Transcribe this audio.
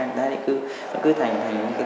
nó cứ thành như thế thôi